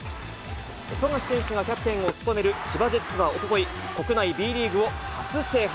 富樫選手がキャプテンを務める千葉ジェッツはおととい、国内Ｂリーグを初制覇。